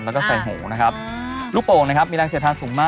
แล้วก็ใส่หูนะครับ